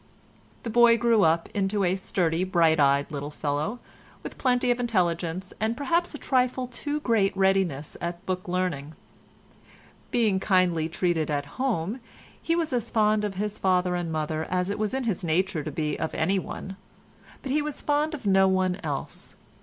The boy grew up into a sturdy bright eyed little fellow, with plenty of intelligence, and perhaps a trifle too great readiness at book learning. Being kindly treated at home, he was as fond of his father and mother as it was in his nature to be of anyone, but he was fond of no one else.